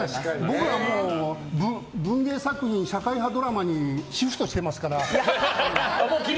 僕らもう、文芸作品社会派作品にシフトしてますから。